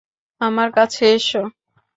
আমার কাছে এসো!